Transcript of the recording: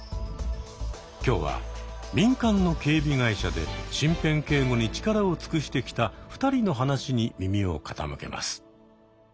今日は民間の警備会社で身辺警護に力を尽くしてきた２人の話に耳を傾けます。